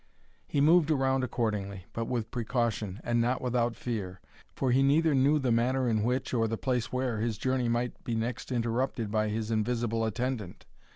He moved around accordingly, but with precaution, and not without fear; for he neither knew the manner in which, or the place where his journey might be next interrupted by his invisible attendant.